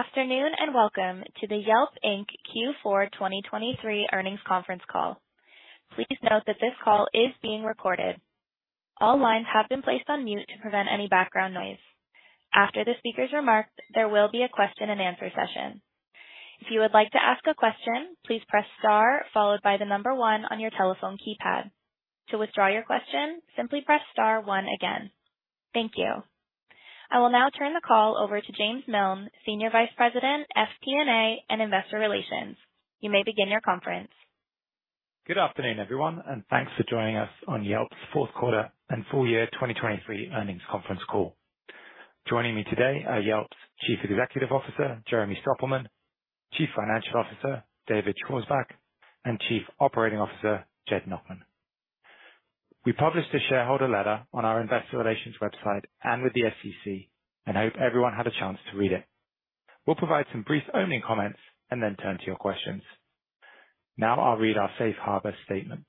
Afternoon and welcome to the Yelp Inc. Q4 2023 earnings conference call. Please note that this call is being recorded. All lines have been placed on mute to prevent any background noise. After the speaker's remarks, there will be a question-and-answer session. If you would like to ask a question, please press star followed by the number one on your telephone keypad. To withdraw your question, simply press star one again. Thank you. I will now turn the call over to James Miln, Senior Vice President, FP&A and Investor Relations. You may begin your conference. Good afternoon, everyone, and thanks for joining us on Yelp's fourth quarter and full year 2023 earnings conference call. Joining me today are Yelp's Chief Executive Officer, Jeremy Stoppelman; Chief Financial Officer, David Schwarzbach; and Chief Operating Officer, Jed Nachman. We published a shareholder letter on our Investor Relations website and with the SEC and hope everyone had a chance to read it. We'll provide some brief opening comments and then turn to your questions. Now I'll read our safe harbor statement.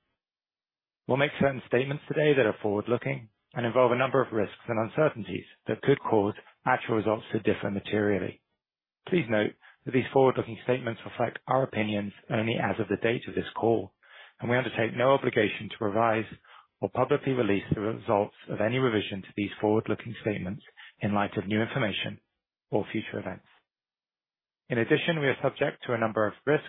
We'll make certain statements today that are forward-looking and involve a number of risks and uncertainties that could cause actual results to differ materially. Please note that these forward-looking statements reflect our opinions only as of the date of this call, and we undertake no obligation to revise or publicly release the results of any revision to these forward-looking statements in light of new information or future events. In addition, we are subject to a number of risks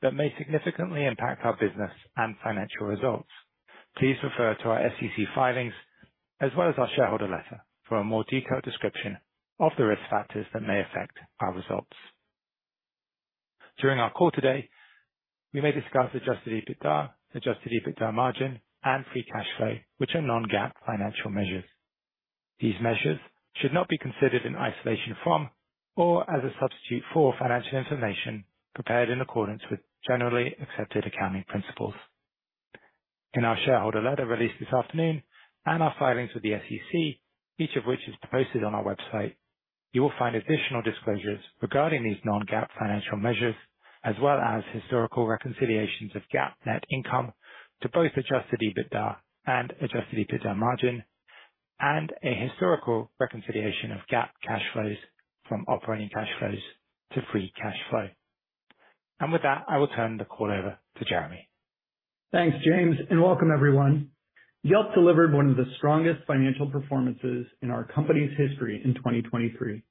that may significantly impact our business and financial results. Please refer to our SEC filings as well as our shareholder letter for a more detailed description of the risk factors that may affect our results. During our call today, we may discuss Adjusted EBITDA, Adjusted EBITDA margin, and Free Cash Flow, which are non-GAAP financial measures. These measures should not be considered in isolation from or as a substitute for financial information prepared in accordance with generally accepted accounting principles. In our shareholder letter released this afternoon and our filings with the SEC, each of which is posted on our website, you will find additional disclosures regarding these non-GAAP financial measures as well as historical reconciliations of GAAP net income to both adjusted EBITDA and adjusted EBITDA margin, and a historical reconciliation of GAAP cash flows from operating cash flows to free cash flow. With that, I will turn the call over to Jeremy. Thanks, James, and welcome, everyone. Yelp delivered one of the strongest financial performances in our company's history in 2023.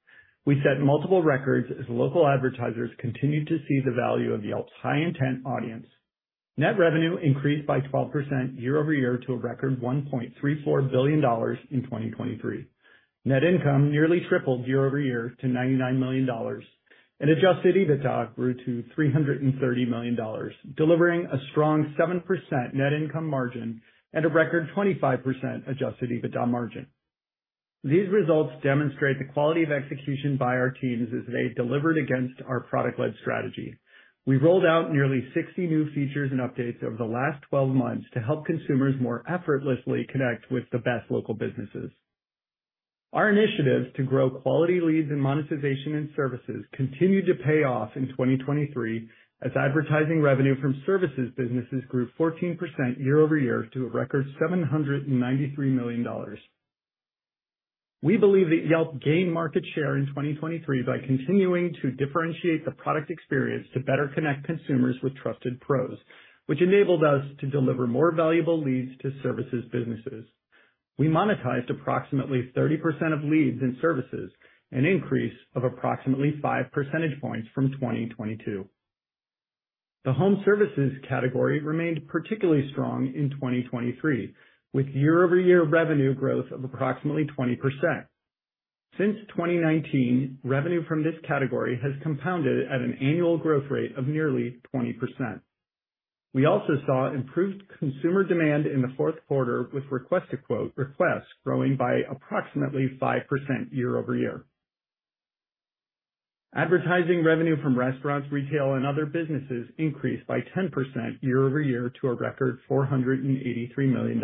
We set multiple records as local advertisers continued to see the value of Yelp's high-intent audience. Net revenue increased by 12% year-over-year to a record $1.34 billion in 2023. Net income nearly tripled year-over-year to $99 million, and Adjusted EBITDA grew to $330 million, delivering a strong 7% net income margin and a record 25% Adjusted EBITDA margin. These results demonstrate the quality of execution by our teams as they delivered against our product-led strategy. We rolled out nearly 60 new features and updates over the last 12 months to help consumers more effortlessly connect with the best local businesses. Our initiatives to grow quality leads in monetization and services continued to pay off in 2023 as advertising revenue from services businesses grew 14% year-over-year to a record $793 million. We believe that Yelp gained market share in 2023 by continuing to differentiate the product experience to better connect consumers with trusted pros, which enabled us to deliver more valuable leads to services businesses. We monetized approximately 30% of leads and services, an increase of approximately 5 percentage points from 2022. The home services category remained particularly strong in 2023, with year-over-year revenue growth of approximately 20%. Since 2019, revenue from this category has compounded at an annual growth rate of nearly 20%. We also saw improved consumer demand in the fourth quarter with requests growing by approximately 5% year-over-year. Advertising revenue from restaurants, retail, and other businesses increased by 10% year-over-year to a record $483 million.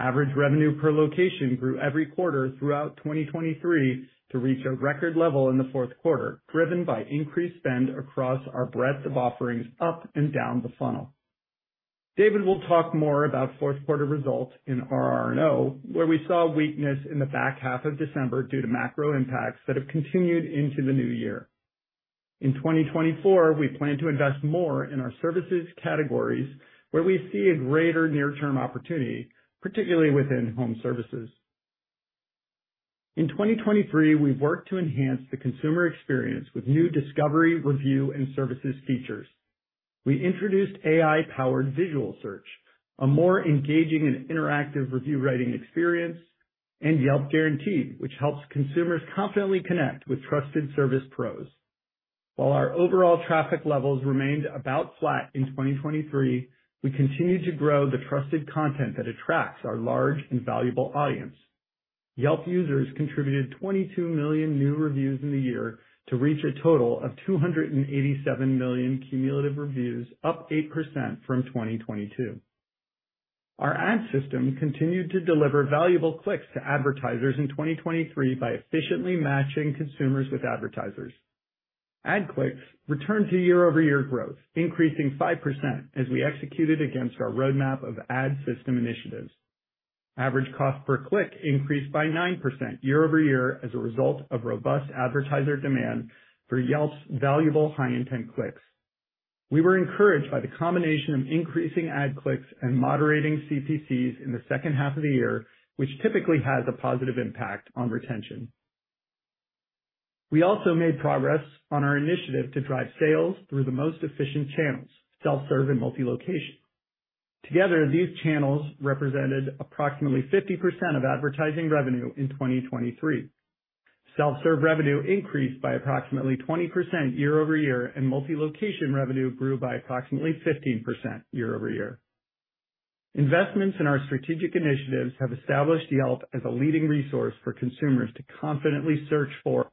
Average revenue per location grew every quarter throughout 2023 to reach a record level in the fourth quarter, driven by increased spend across our breadth of offerings up and down the funnel. David will talk more about fourth quarter results in our R&O, where we saw weakness in the back half of December due to macro impacts that have continued into the new year. In 2024, we plan to invest more in our services categories, where we see a greater near-term opportunity, particularly within home services. In 2023, we've worked to enhance the consumer experience with new discovery, review, and services features. We introduced AI-powered visual search, a more engaging and interactive review writing experience, and Yelp Guaranteed, which helps consumers confidently connect with trusted service pros. While our overall traffic levels remained about flat in 2023, we continued to grow the trusted content that attracts our large and valuable audience. Yelp users contributed 22 million new reviews in the year to reach a total of 287 million cumulative reviews, up 8% from 2022. Our ad system continued to deliver valuable clicks to advertisers in 2023 by efficiently matching consumers with advertisers. Ad clicks returned to year-over-year growth, increasing 5% as we executed against our roadmap of ad system initiatives. Average Cost Per Click increased by 9% year-over-year as a result of robust advertiser demand for Yelp's valuable high-intent clicks. We were encouraged by the combination of increasing ad clicks and moderating CPCs in the second half of the year, which typically has a positive impact on retention. We also made progress on our initiative to drive sales through the most efficient channels: self-serve and multi-location. Together, these channels represented approximately 50% of advertising revenue in 2023. Self-serve revenue increased by approximately 20% year-over-year, and multi-location revenue grew by approximately 15% year-over-year. Investments in our strategic initiatives have established Yelp as a leading resource for consumers to confidently search for.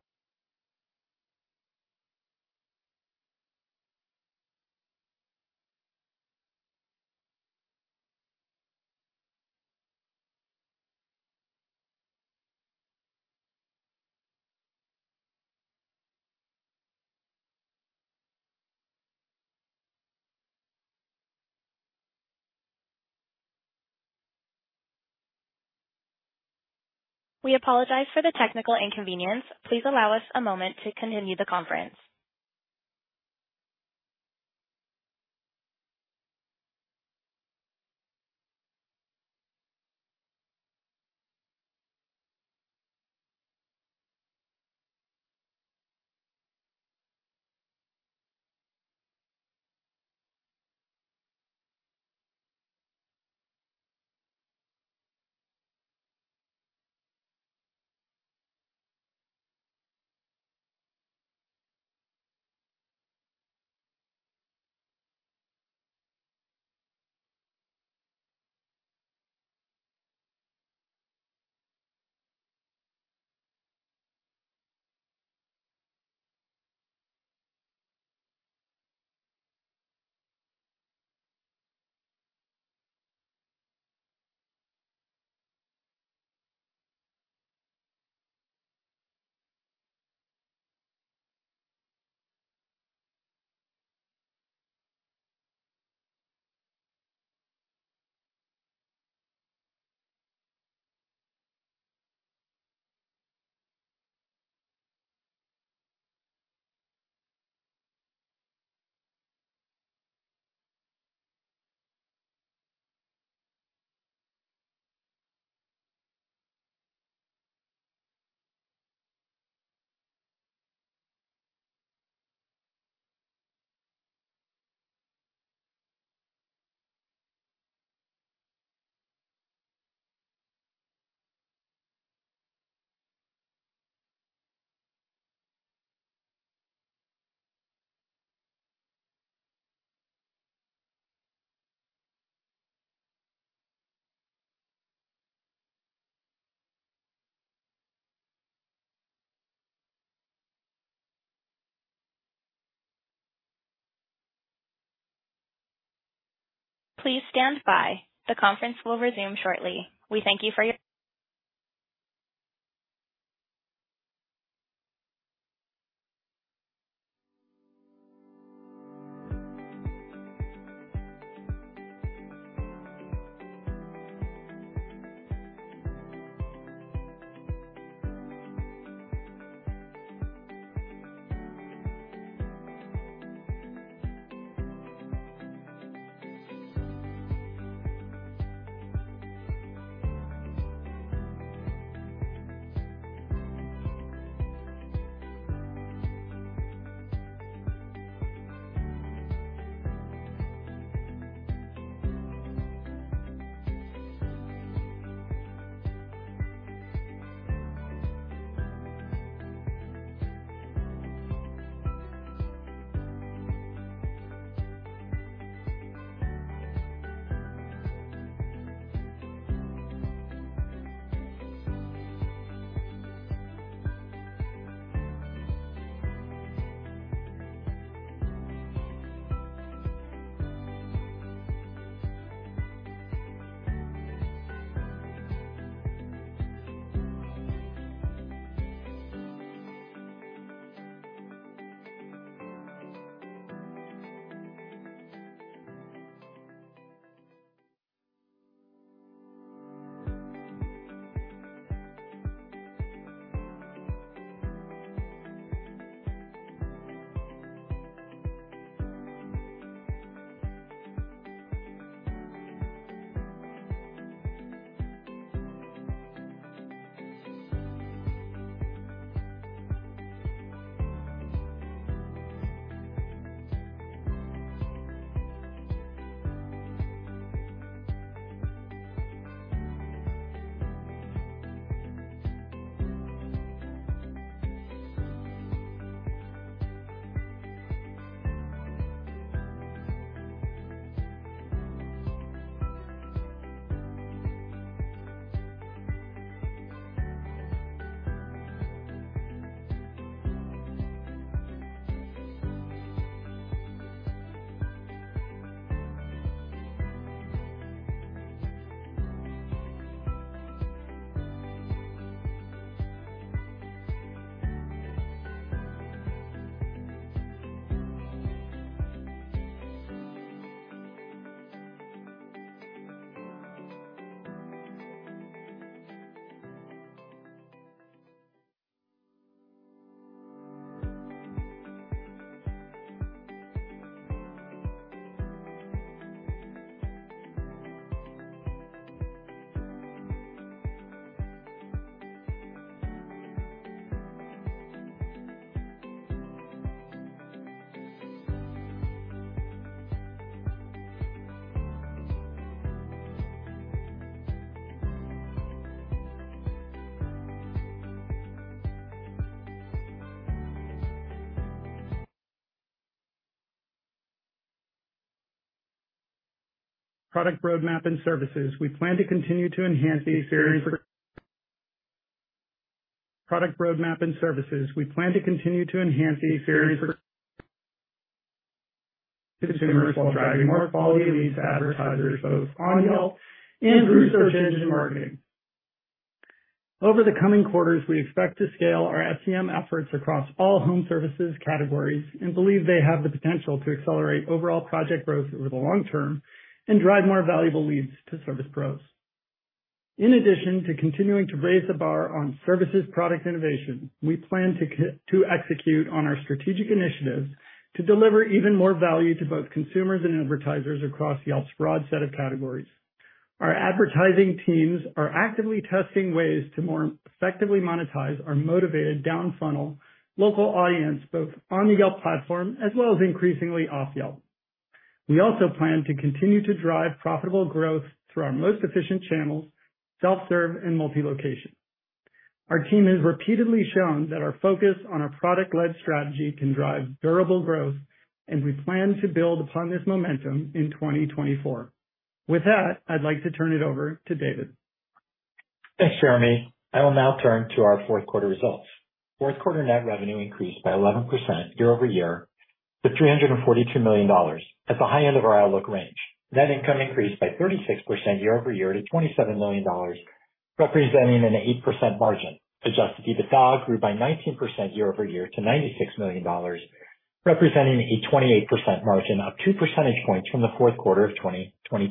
We apologize for the technical inconvenience. Please allow us a moment to continue the conference. Please stand by. The conference will resume shortly. We thank you for your patience. Product roadmap and services. We plan to continue to enhance these areas for consumers while driving more quality leads to advertisers, both on Yelp and through search engine marketing. Over the coming quarters, we expect to scale our SEM efforts across all home services categories and believe they have the potential to accelerate overall project growth over the long term and drive more valuable leads to service pros. In addition to continuing to raise the bar on services, product innovation, we plan to execute on our strategic initiatives to deliver even more value to both consumers and advertisers across Yelp's broad set of categories. Our advertising teams are actively testing ways to more effectively monetize our motivated downfunnel local audience, both on the Yelp platform as well as increasingly off Yelp. We also plan to continue to drive profitable growth through our most efficient channels, self-serve, and multi-location. Our team has repeatedly shown that our focus on a product-led strategy can drive durable growth, and we plan to build upon this momentum in 2024. With that, I'd like to turn it over to David. Thanks, Jeremy. I will now turn to our fourth quarter results. Fourth quarter net revenue increased by 11% year-over-year to $342 million at the high end of our outlook range. Net income increased by 36% year-over-year to $27 million, representing an 8% margin. Adjusted EBITDA grew by 19% year-over-year to $96 million, representing a 28% margin of 2 percentage points from the fourth quarter of 2022.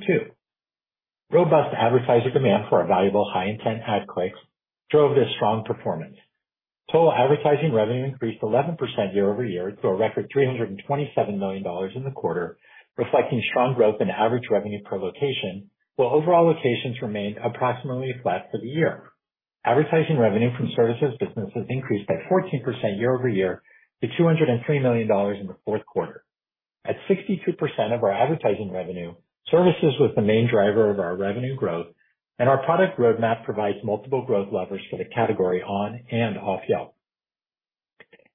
Robust advertiser demand for our valuable high-intent ad clicks drove this strong performance. Total advertising revenue increased 11% year-over-year to a record $327 million in the quarter, reflecting strong growth in average revenue per location, while overall locations remained approximately flat for the year. Advertising revenue from services businesses increased by 14% year-over-year to $203 million in the fourth quarter. At 62% of our advertising revenue, services was the main driver of our revenue growth, and our product roadmap provides multiple growth levers for the category on and off Yelp.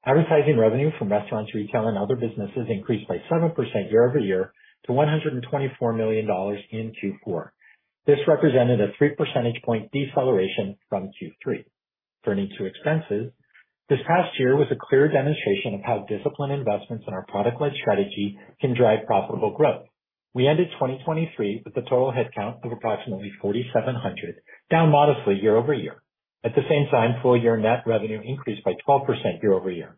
Advertising revenue from restaurants, retail, and other businesses increased by 7% year-over-year to $124 million in Q4. This represented a 3 percentage point deceleration from Q3. Turning to expenses, this past year was a clear demonstration of how disciplined investments in our product-led strategy can drive profitable growth. We ended 2023 with a total headcount of approximately 4,700, down modestly year-over-year. At the same time, full-year net revenue increased by 12% year-over-year.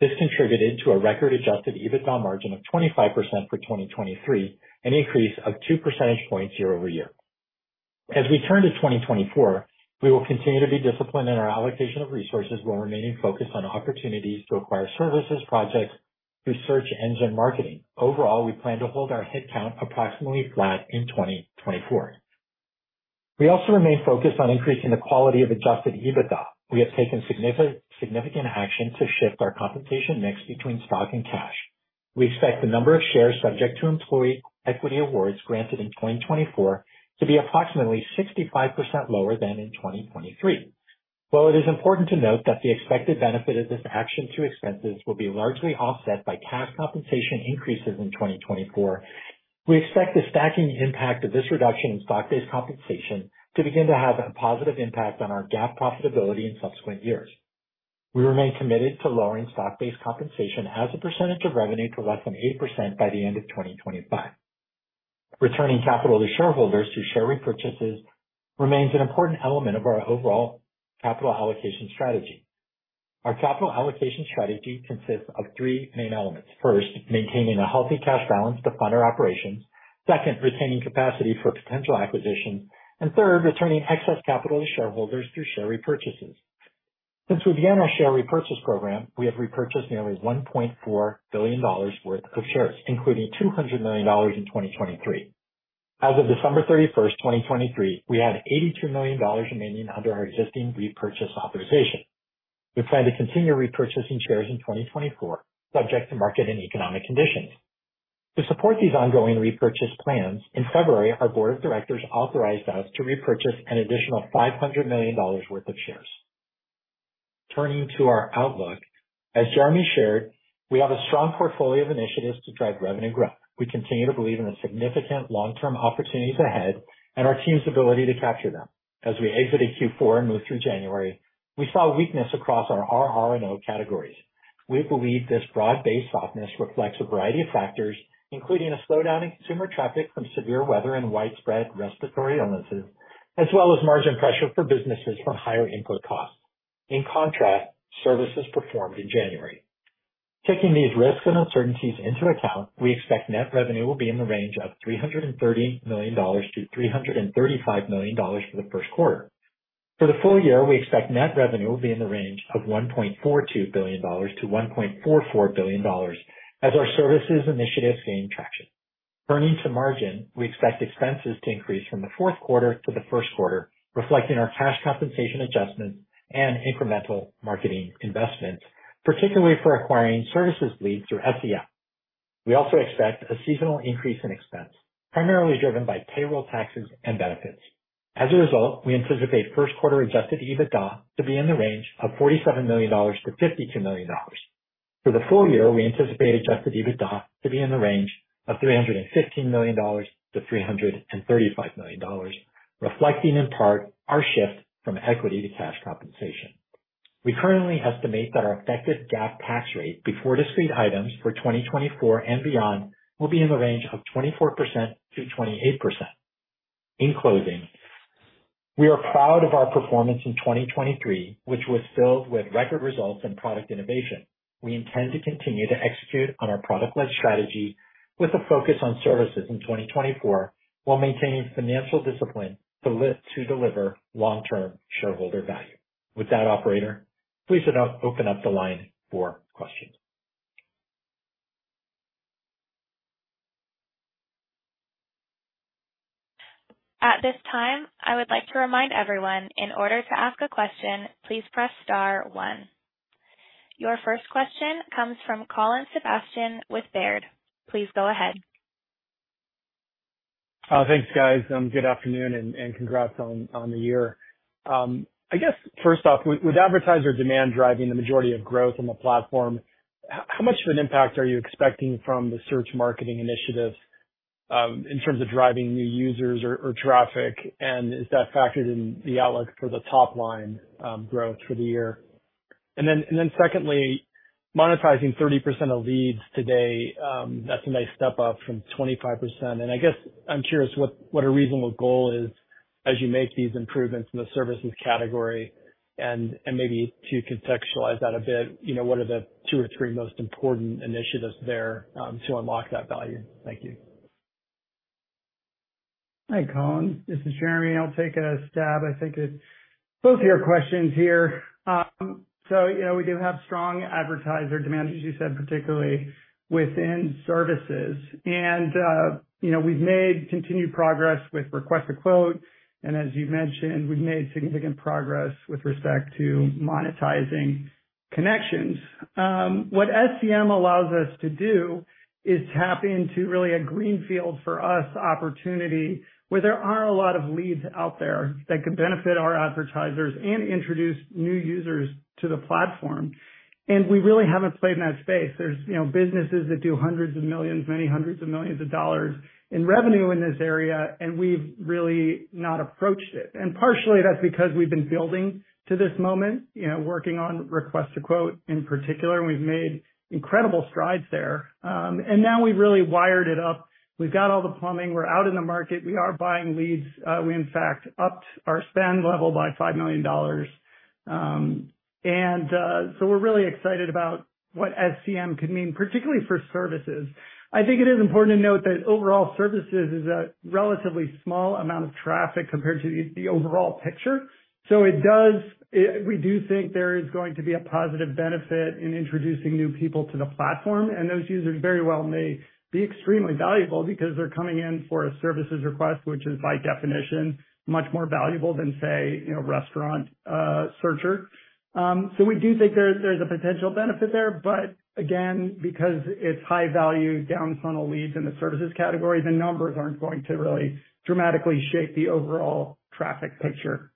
This contributed to a record Adjusted EBITDA margin of 25% for 2023, an increase of 2 percentage points year-over-year. As we turn to 2024, we will continue to be disciplined in our allocation of resources while remaining focused on opportunities to acquire services, projects through search engine marketing. Overall, we plan to hold our headcount approximately flat in 2024. We also remain focused on increasing the quality of Adjusted EBITDA. We have taken significant action to shift our compensation mix between stock and cash. We expect the number of shares subject to employee equity awards granted in 2024 to be approximately 65% lower than in 2023. While it is important to note that the expected benefit of this action to expenses will be largely offset by cash compensation increases in 2024, we expect the stacking impact of this reduction in stock-based compensation to begin to have a positive impact on our GAAP profitability in subsequent years. We remain committed to lowering stock-based compensation as a percentage of revenue to less than 8% by the end of 2025. Returning capital to shareholders through share repurchases remains an important element of our overall capital allocation strategy. Our capital allocation strategy consists of three main elements. First, maintaining a healthy cash balance to fund our operations. Second, retaining capacity for potential acquisitions. And third, returning excess capital to shareholders through share repurchases. Since we began our share repurchase program, we have repurchased nearly $1.4 billion worth of shares, including $200 million in 2023. As of December 31st, 2023, we had $82 million remaining under our existing repurchase authorization. We plan to continue repurchasing shares in 2024, subject to market and economic conditions. To support these ongoing repurchase plans, in February, our board of directors authorized us to repurchase an additional $500 million worth of shares. Turning to our outlook, as Jeremy shared, we have a strong portfolio of initiatives to drive revenue growth. We continue to believe in the significant long-term opportunities ahead and our team's ability to capture them. As we exited Q4 and moved through January, we saw weakness across our RR&O categories. We believe this broad-based softness reflects a variety of factors, including a slowdown in consumer traffic from severe weather and widespread respiratory illnesses, as well as margin pressure for businesses from higher input costs. In contrast, services performed in January. Taking these risks and uncertainties into account, we expect net revenue will be in the range of $330 million-$335 million for the first quarter. For the full year, we expect net revenue will be in the range of $1.42 billion-$1.44 billion as our services initiatives gain traction. Turning to margin, we expect expenses to increase from the fourth quarter to the first quarter, reflecting our cash compensation adjustments and incremental marketing investments, particularly for acquiring services leads through SEM. We also expect a seasonal increase in expense, primarily driven by payroll taxes and benefits. As a result, we anticipate first-quarter adjusted EBITDA to be in the range of $47 million-$52 million. For the full year, we anticipate adjusted EBITDA to be in the range of $315 million-$335 million, reflecting in part our shift from equity to cash compensation. We currently estimate that our effective GAAP tax rate before discrete items for 2024 and beyond will be in the range of 24%-28%. In closing, we are proud of our performance in 2023, which was filled with record results and product innovation. We intend to continue to execute on our product-led strategy with a focus on services in 2024 while maintaining financial discipline to deliver long-term shareholder value. With that, operator, please open up the line for questions. At this time, I would like to remind everyone, in order to ask a question, please press star one. Your first question comes from Colin Sebastian with Baird. Please go ahead. Thanks, guys. Good afternoon and congrats on the year. I guess, first off, with advertiser demand driving the majority of growth on the platform, how much of an impact are you expecting from the search marketing initiatives in terms of driving new users or traffic? And is that factored in the outlook for the top-line growth for the year? And then secondly, monetizing 30% of leads today, that's a nice step up from 25%. And I guess I'm curious what a reasonable goal is as you make these improvements in the services category. And maybe to contextualize that a bit, what are the two or three most important initiatives there to unlock that value? Thank you. Hi, Colin. This is Jeremy. I'll take a stab. I think both of your questions here. So we do have strong advertiser demand, as you said, particularly within services. We've made continued progress with request to quote. As you mentioned, we've made significant progress with respect to monetizing connections. What SEM allows us to do is tap into really a greenfield for us opportunity where there are a lot of leads out there that could benefit our advertisers and introduce new users to the platform. We really haven't played in that space. There's businesses that do $hundreds of millions, $many hundreds of millions in revenue in this area, and we've really not approached it. Partially, that's because we've been building to this moment, working on request to quote in particular. We've made incredible strides there. Now we've really wired it up. We've got all the plumbing. We're out in the market. We are buying leads. We, in fact, upped our spend level by $5 million. And so we're really excited about what SEM could mean, particularly for services. I think it is important to note that overall, services is a relatively small amount of traffic compared to the overall picture. So we do think there is going to be a positive benefit in introducing new people to the platform. And those users very well may be extremely valuable because they're coming in for a services request, which is by definition much more valuable than, say, a restaurant searcher. So we do think there's a potential benefit there. But again, because it's high-value downfunnel leads in the services category, the numbers aren't going to really dramatically shape the overall traffic picture.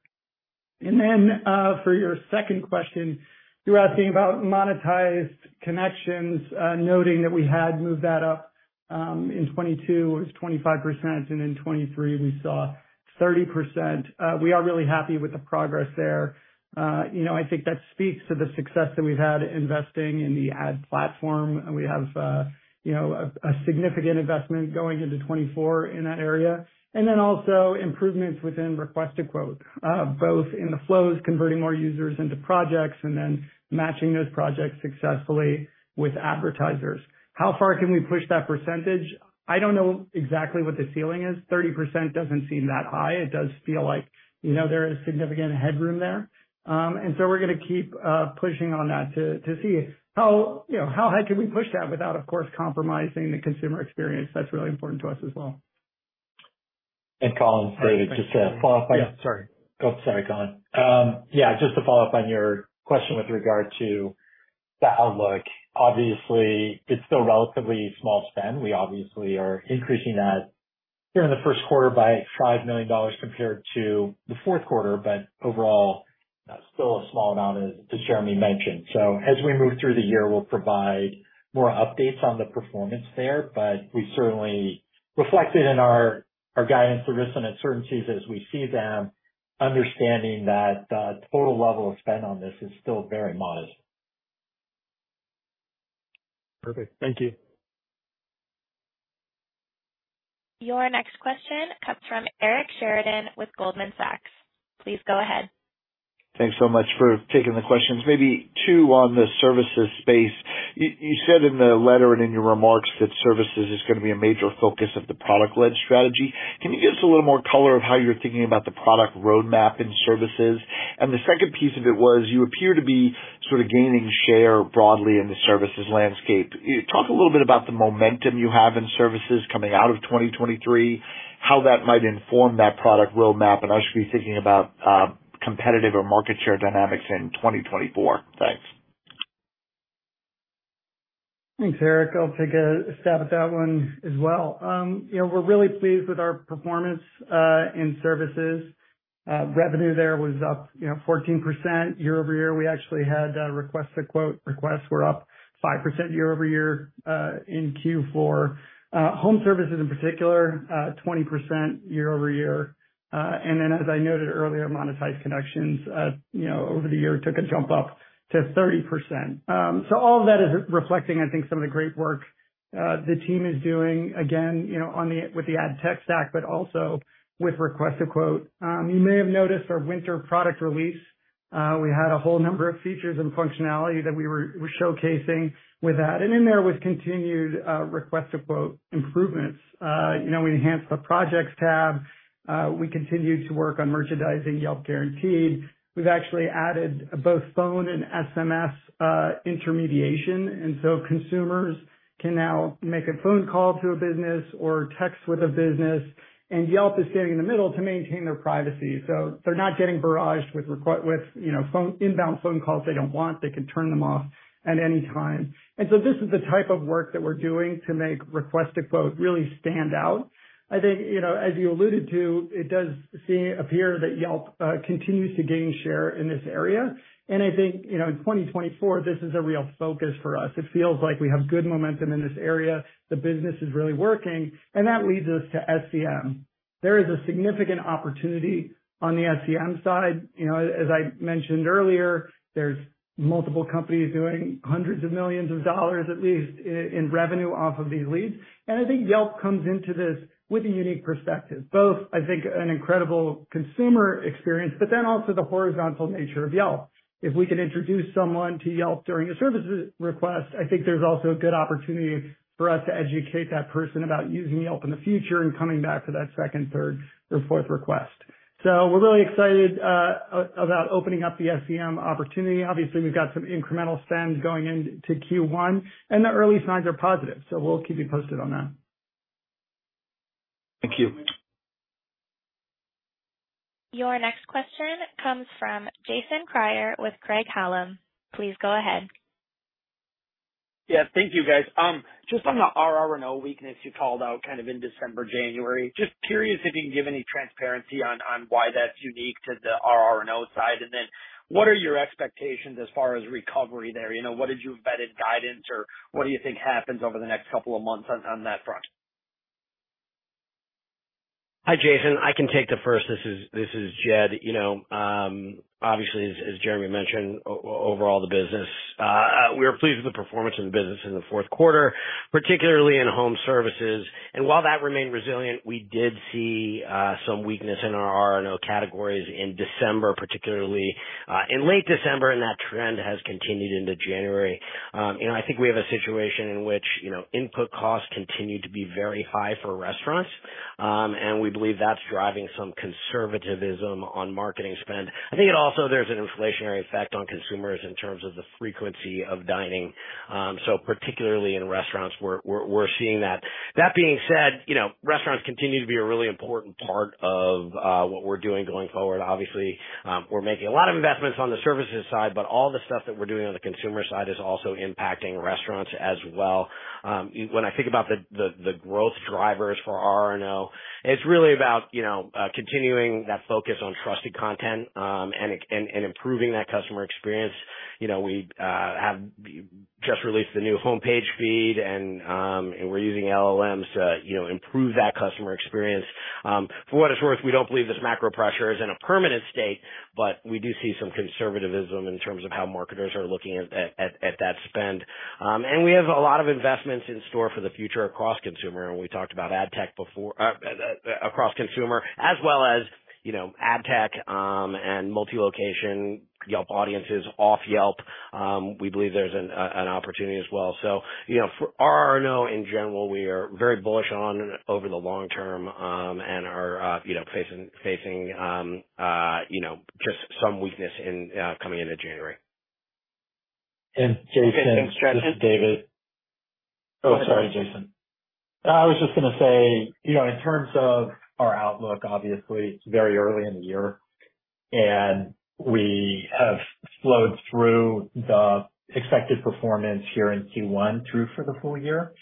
Then for your second question, you were asking about monetized connections, noting that we had moved that up. In 2022, it was 25%. In 2023, we saw 30%. We are really happy with the progress there. I think that speaks to the success that we've had investing in the ad platform. We have a significant investment going into 2024 in that area. And then also improvements within Request to Quote, both in the flows, converting more users into projects, and then matching those projects successfully with advertisers. How far can we push that percentage? I don't know exactly what the ceiling is. 30% doesn't seem that high. It does feel like there is significant headroom there. And so we're going to keep pushing on that to see how high can we push that without, of course, compromising the consumer experience. That's really important to us as well. Colin, David, just to follow up on. Yeah, sorry. Oh, sorry, Colin. Yeah, just to follow up on your question with regard to the outlook. Obviously, it's still relatively small spend. We obviously are increasing that here in the first quarter by $5 million compared to the fourth quarter. But overall, still a small amount, as Jeremy mentioned. So as we move through the year, we'll provide more updates on the performance there. But we certainly reflect it in our guidance to risks and uncertainties as we see them, understanding that the total level of spend on this is still very modest. Perfect. Thank you. Your next question cuts from Eric Sheridan with Goldman Sachs. Please go ahead. Thanks so much for taking the questions. Maybe two on the services space. You said in the letter and in your remarks that services is going to be a major focus of the product-led strategy. Can you give us a little more color of how you're thinking about the product roadmap in services? And the second piece of it was you appear to be sort of gaining share broadly in the services landscape. Talk a little bit about the momentum you have in services coming out of 2023, how that might inform that product roadmap. And I should be thinking about competitive or market share dynamics in 2024. Thanks. Thanks, Eric. I'll take a stab at that one as well. We're really pleased with our performance in services. Revenue there was up 14% year-over-year. We actually had Request to Quote requests were up 5% year-over-year in Q4. Home services in particular, 20% year-over-year. And then, as I noted earlier, monetized connections over the year took a jump up to 30%. So all of that is reflecting, I think, some of the great work the team is doing, again, with the ad tech stack, but also with Request to Quote. You may have noticed our winter product release. We had a whole number of features and functionality that we were showcasing with that. And in there was continued Request to Quote improvements. We enhanced the projects tab. We continued to work on merchandising Yelp Guaranteed. We've actually added both phone and SMS intermediation. So consumers can now make a phone call to a business or text with a business. Yelp is standing in the middle to maintain their privacy. So they're not getting barraged with inbound phone calls they don't want. They can turn them off at any time. This is the type of work that we're doing to make Request to Quote really stand out. I think, as you alluded to, it does appear that Yelp continues to gain share in this area. I think in 2024, this is a real focus for us. It feels like we have good momentum in this area. The business is really working. That leads us to SEM. There is a significant opportunity on the SEM side. As I mentioned earlier, there's multiple companies doing hundreds of millions of dollars, at least, in revenue off of these leads. And I think Yelp comes into this with a unique perspective, both, I think, an incredible consumer experience, but then also the horizontal nature of Yelp. If we can introduce someone to Yelp during a services request, I think there's also a good opportunity for us to educate that person about using Yelp in the future and coming back for that second, third, or fourth request. So we're really excited about opening up the SEM opportunity. Obviously, we've got some incremental spend going into Q1. And the early signs are positive. So we'll keep you posted on that. Thank you. Your next question comes from Jason Kreyer with Craig-Hallum. Please go ahead. Yeah, thank you, guys. Just on the RR&O weakness you called out kind of in December, January, just curious if you can give any transparency on why that's unique to the RR&O side. And then what are your expectations as far as recovery there? What did you update guidance, or what do you think happens over the next couple of months on that front? Hi, Jason. I can take the first. This is Jed. Obviously, as Jeremy mentioned, overall, the business. We are pleased with the performance of the business in the fourth quarter, particularly in home services. And while that remained resilient, we did see some weakness in our RR&O categories in December, particularly in late December. And that trend has continued into January. I think we have a situation in which input costs continue to be very high for restaurants. And we believe that's driving some conservatism on marketing spend. I think there's an inflationary effect on consumers in terms of the frequency of dining. So particularly in restaurants, we're seeing that. That being said, restaurants continue to be a really important part of what we're doing going forward. Obviously, we're making a lot of investments on the services side. But all the stuff that we're doing on the consumer side is also impacting restaurants as well. When I think about the growth drivers for RR&O, it's really about continuing that focus on trusted content and improving that customer experience. We have just released the new homepage feed. We're using LLMs to improve that customer experience. For what it's worth, we don't believe this macro pressure is in a permanent state. But we do see some conservatism in terms of how marketers are looking at that spend. We have a lot of investments in store for the future across consumer. We talked about ad tech across consumer, as well as ad tech and Multi-location Yelp Audiences off Yelp. We believe there's an opportunity as well. For RR&O in general, we are very bullish on over the long term and are facing just some weakness coming into January. And Jason. Thanks. This is David. Oh, sorry, Jason. I was just going to say, in terms of our outlook, obviously, it's very early in the year. And we have flowed through the expected performance here in Q1 through for the full year.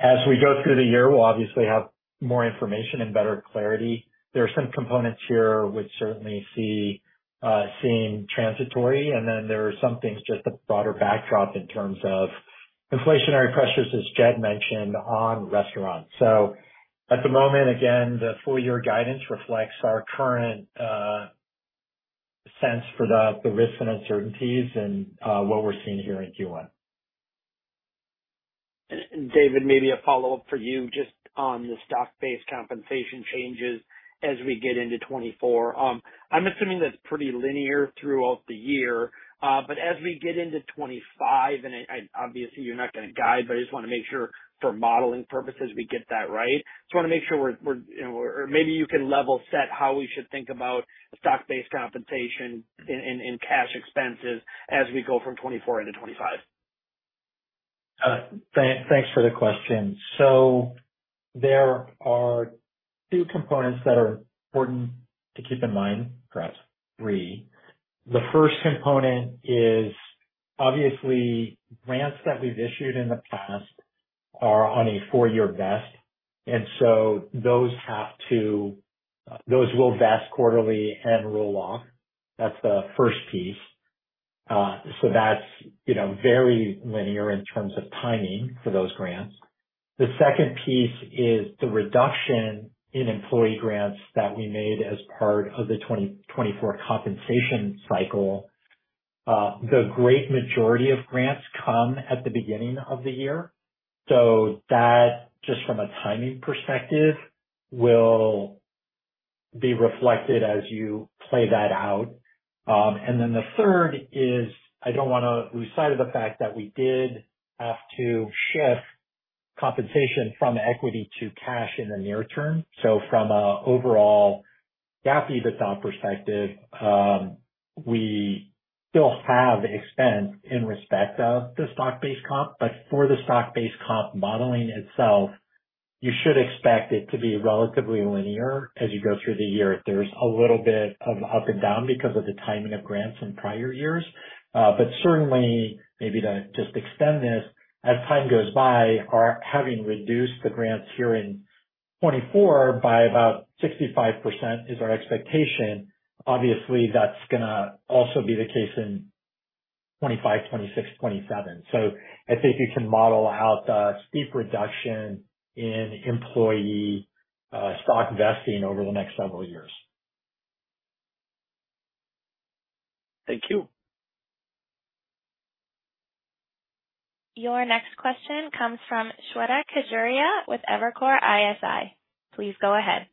As we go through the year, we'll obviously have more information and better clarity. There are some components here which certainly seem transitory. And then there are some things, just a broader backdrop in terms of inflationary pressures, as Jed mentioned, on restaurants. So at the moment, again, the full-year guidance reflects our current sense for the risks and uncertainties and what we're seeing here in Q1. David, maybe a follow-up for you just on the stock-based compensation changes as we get into 2024. I'm assuming that's pretty linear throughout the year. But as we get into 2025 and obviously, you're not going to guide. But I just want to make sure for modeling purposes, we get that right. Just want to make sure we're maybe you can level set how we should think about stock-based compensation and cash expenses as we go from 2024 into 2025. Thanks for the question. So there are two components that are important to keep in mind, perhaps three. The first component is, obviously, grants that we've issued in the past are on a four-year vest. And so those have to those will vest quarterly and roll off. That's the first piece. So that's very linear in terms of timing for those grants. The second piece is the reduction in employee grants that we made as part of the 2024 compensation cycle. The great majority of grants come at the beginning of the year. So that, just from a timing perspective, will be reflected as you play that out. And then the third is, I don't want to lose sight of the fact that we did have to shift compensation from equity to cash in the near term. From an overall GAAP EBITDA perspective, we still have expense in respect of the stock-based comp. But for the stock-based comp modeling itself, you should expect it to be relatively linear as you go through the year. There's a little bit of up and down because of the timing of grants in prior years. But certainly, maybe to just extend this, as time goes by, having reduced the grants here in 2024 by about 65% is our expectation. Obviously, that's going to also be the case in 2025, 2026, 2027. So I think you can model out a steep reduction in employee stock vesting over the next several years. Thank you. Your next question comes from Shweta Khajuria with Evercore ISI. Please go ahead.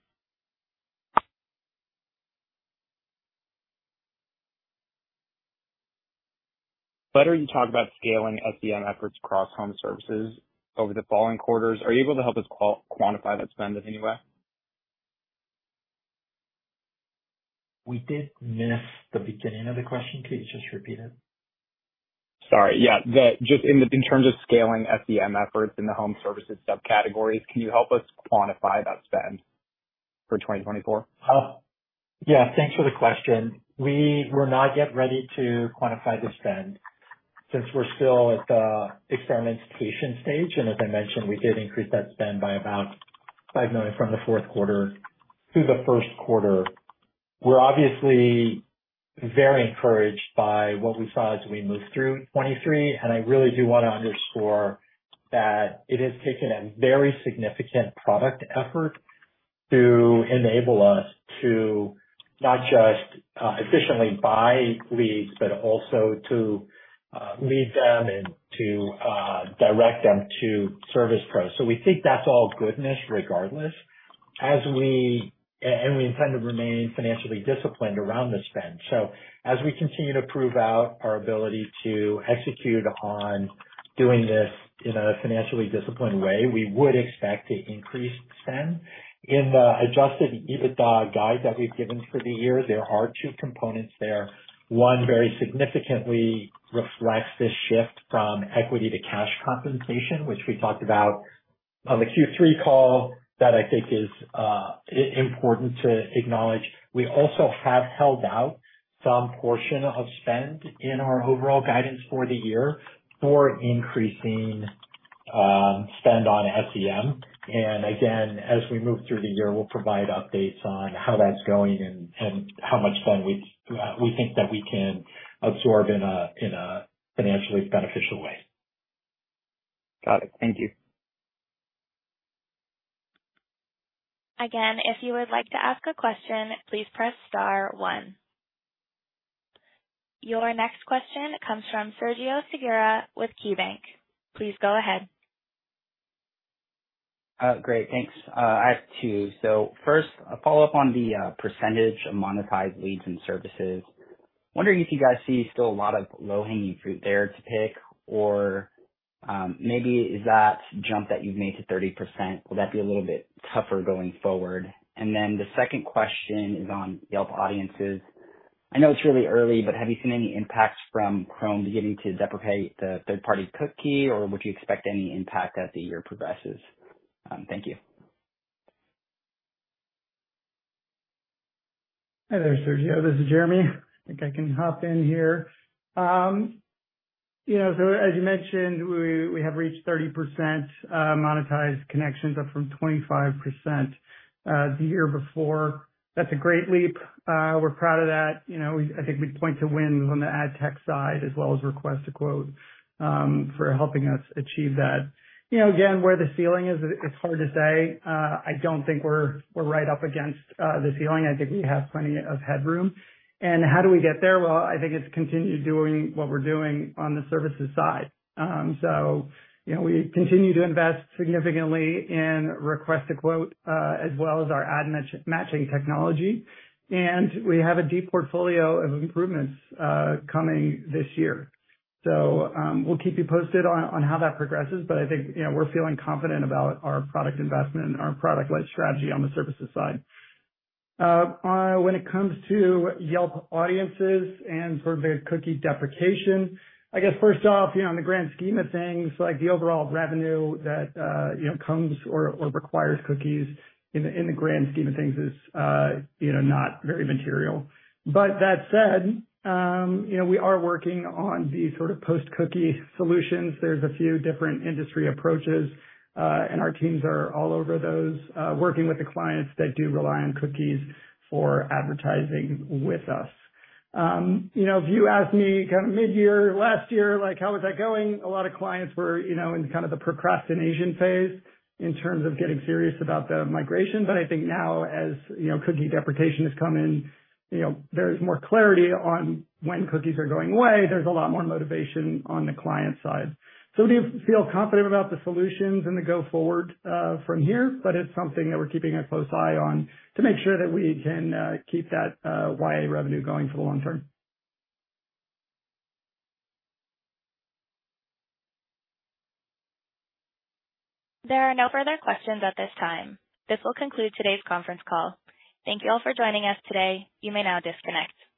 you talked about scaling SEM efforts across home services over the following quarters. Are you able to help us quantify that spend in any way? We did miss the beginning of the question. Could you just repeat it? Sorry. Yeah. Just in terms of scaling SEM efforts in the home services subcategories, can you help us quantify that spend for 2024? Yeah. Thanks for the question. We were not yet ready to quantify the spend since we're still at the experimentation stage. As I mentioned, we did increase that spend by about $5 million from the fourth quarter to the first quarter. We're obviously very encouraged by what we saw as we move through 2023. And I really do want to underscore that it has taken a very significant product effort to enable us to not just efficiently buy leads, but also to lead them and to direct them to service pros. So we think that's all goodness regardless. And we intend to remain financially disciplined around the spend. So as we continue to prove out our ability to execute on doing this in a financially disciplined way, we would expect to increase spend. In the Adjusted EBITDA guide that we've given for the year, there are two components there. One, very significantly reflects this shift from equity to cash compensation, which we talked about on the Q3 call that I think is important to acknowledge. We also have held out some portion of spend in our overall guidance for the year for increasing spend on SEM. And again, as we move through the year, we'll provide updates on how that's going and how much spend we think that we can absorb in a financially beneficial way. Got it. Thank you. Again, if you would like to ask a question, please press star one. Your next question comes from Sergio Segura with KeyBanc. Please go ahead. Great. Thanks. I have two. So first, a follow-up on the percentage of monetized leads and services. Wondering if you guys see still a lot of low-hanging fruit there to pick? Or maybe is that jump that you've made to 30%? Will that be a little bit tougher going forward? And then the second question is on Yelp Audiences. I know it's really early, but have you seen any impacts from Chrome beginning to deprecate the third-party cookie? Or would you expect any impact as the year progresses? Thank you. Hey there, Sergio. This is Jeremy. I think I can hop in here. So as you mentioned, we have reached 30% monetized connections, up from 25% the year before. That's a great leap. We're proud of that. I think we'd point to wins on the ad tech side, as well as request to quote for helping us achieve that. Again, where the ceiling is, it's hard to say. I don't think we're right up against the ceiling. I think we have plenty of headroom. And how do we get there? Well, I think it's continued doing what we're doing on the services side. So we continue to invest significantly in request to quote, as well as our ad matching technology. And we have a deep portfolio of improvements coming this year. So we'll keep you posted on how that progresses. But I think we're feeling confident about our product investment and our product-led strategy on the services side. When it comes to Yelp Audiences and sort of their cookie deprecation, I guess, first off, in the grand scheme of things, the overall revenue that comes or requires cookies in the grand scheme of things is not very material. But that said, we are working on the sort of post-cookie solutions. There's a few different industry approaches. And our teams are all over those, working with the clients that do rely on cookies for advertising with us. If you ask me kind of mid-year, last year, how was that going? A lot of clients were in kind of the procrastination phase in terms of getting serious about the migration. But I think now, as cookie deprecation has come in, there is more clarity on when cookies are going away. There's a lot more motivation on the client side. So we do feel confident about the solutions and the go-forward from here. But it's something that we're keeping a close eye on to make sure that we can keep that YA revenue going for the long term. There are no further questions at this time. This will conclude today's conference call. Thank you all for joining us today. You may now disconnect.